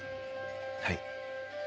はい。